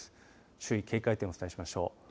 注意、警戒点をお伝えしましょう。